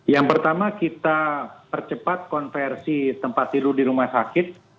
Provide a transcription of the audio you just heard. yang pertama kita percepat konversi tempat tidur di rumah sakit